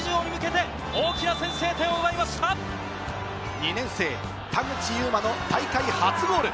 ２年生・田口裕真の大会初のゴール。